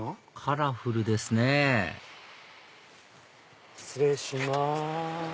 カラフルですね失礼します。